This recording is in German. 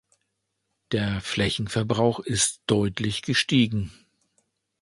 Der Flächenverbrauch ist deutlich gestiegen.